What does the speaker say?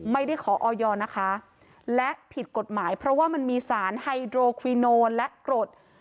ไม่ได้ขอออยนะคะและผิดกฎหมายเพราะว่ามันมีสารไฮโดรควีโนและกรด